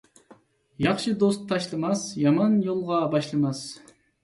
ياخشى دوست تاشلىماس، يامان يولغا باشلىماس.